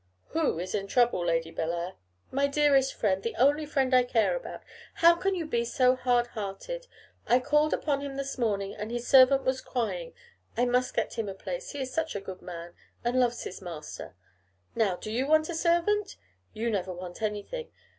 'Who is in trouble, Lady Bellair?' 'My dearest friend; the only friend I care about. How can you be so hard hearted? I called upon him this morning, and his servant was crying. I must get him a place; he is such a good man, and loves his master. Now, do you want a servant? You never want anything.